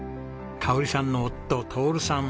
香さんの夫徹さん